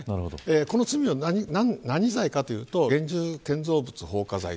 これは何罪かというと現住建造物放火罪。